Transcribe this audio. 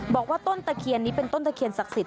บอกว่าต้นตะเคียนนี้เป็นต้นตะเคียนศักดิ์สิท